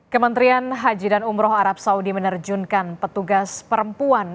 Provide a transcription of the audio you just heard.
kementerian haji dan umroh arab saudi menerjunkan petugas perempuan